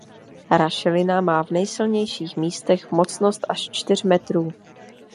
Rašelina má v nejsilnějších místech mocnost až čtyř metrů.